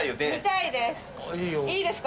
いいですか？」